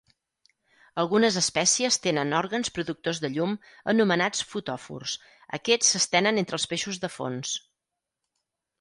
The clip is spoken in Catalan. Algunes espècies tenen òrgans productors de llum anomenats fotòfors. Aquests s'estenen entre els peixos de fons.